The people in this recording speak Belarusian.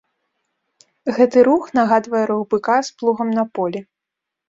Гэты рух нагадвае рух быка з плугам на полі.